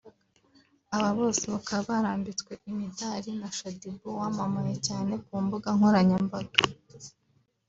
aba bose bakaba barambitswe imidari na Shaddyboo wamamaye cyane ku mbuga nkoranyambaga